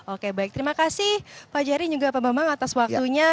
oke baik terima kasih pak jerry juga pak bambang atas waktunya